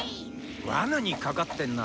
わなにかかってんな。